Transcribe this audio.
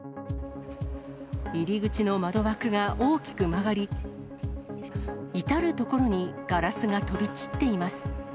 入り口の窓枠が大きく曲がり、至る所にガラスが飛び散っています。